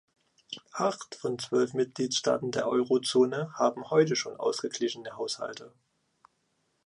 Acht von zwölf Mitgliedstaaten der Euro-Zone haben heute schon ausgeglichene Haushalte.